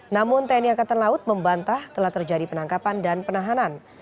namun tni angkatan laut membantah telah terjadi penangkapan dan penahanan